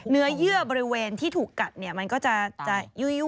เนื้อยื่อบริเวณที่ถูกกัดมันก็จะยุ่ย